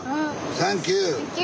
サンキュー。